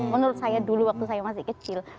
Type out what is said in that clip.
menurut saya dulu waktu saya masih kecil